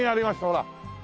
ほら！